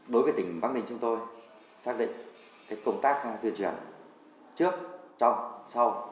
đối với tỉnh bắc ninh chúng tôi xác định công tác tuyên truyền trước trong sau